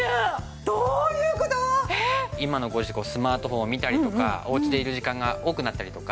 今のご時世スマートフォンを見たりとかおうちでいる時間が多くなったりとか。